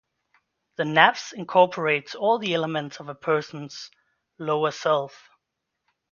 The nafs incorporates all the elements of a person's "lower self".